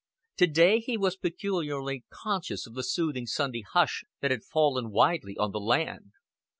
To day he was peculiarly conscious of the soothing Sunday hush that had fallen widely on the land.